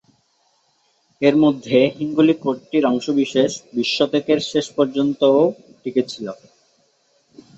এর মধ্যে হিঙ্গুলী কোটটির অংশবিশেষ বিশ শতকের শেষ পর্যন্তও টিকে ছিল।